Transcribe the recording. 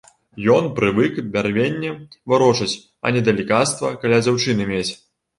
Ён прывык бярвенне варочаць, а не далікацтва каля дзяўчыны мець.